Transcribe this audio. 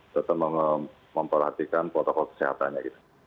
tetap memperhatikan protokol kesehatannya